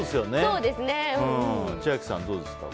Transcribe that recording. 千秋さん、どうですか？